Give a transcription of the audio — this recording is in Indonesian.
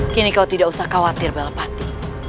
kini kau tidak usah khawatir balapati